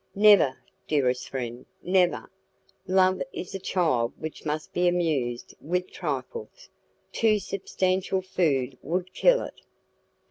"Never, dearest friend, never. Love is a child which must be amused with trifles; too substantial food would kill it."